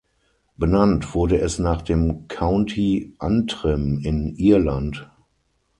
Benannt wurde es nach dem County Antrim in Irland.